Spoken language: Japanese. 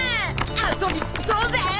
遊び尽くそうぜ！